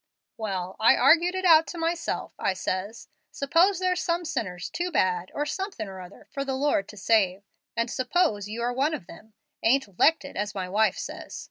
"Well, I argued it out to myself. I says, 'Suppose there's some sinners too bad, or too somethin' or other, for the Lord to save, and suppose you are one of them, ain't ''lected,' as my wife says.